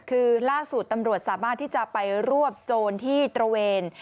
คือล่าสุดตำรวจสามารถที่จะไปรวบโจรที่ตระเวน